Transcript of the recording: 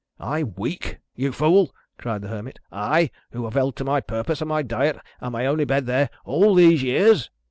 "I weak, you fool?" cried the Hermit, "I, who have held to my purpose, and my diet, and my only bed there, all these years?"